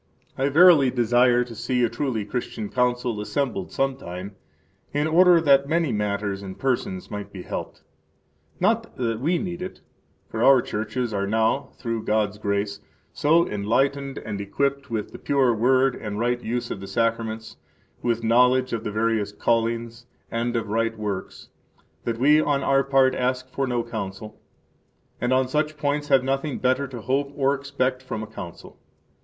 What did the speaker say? I verily desire to see a truly Christian Council [assembled some time], in order that many matters and persons might be helped. Not that we need it, for our churches are now, through God's grace, so enlightened and equipped with the pure Word and right use of the Sacraments, with knowledge of the various callings and of right works, that we on our part ask for no Council, and on such points have nothing better to hope or expect from a Council.